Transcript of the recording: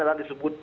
yang tadi disebut